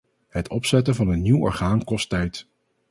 Het opzetten van een nieuw orgaan kost tijd.